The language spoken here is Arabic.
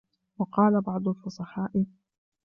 وَقَالَ بَعْضُ الْفُصَحَاءِ